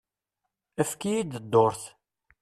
Efk-iyi-d dduṛt.